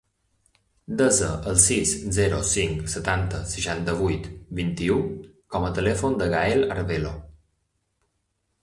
Desa el sis, zero, cinc, setanta, seixanta-vuit, vint-i-u com a telèfon del Gaël Arvelo.